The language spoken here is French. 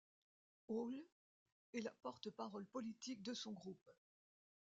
Höll est la porte-parole politique de son groupe.